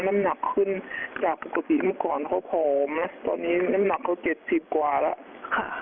น้ำหนักขึ้นจากปกติเมื่อก่อนเขาผอมนะตอนนี้น้ำหนักเขา๗๐กว่าแล้วค่ะ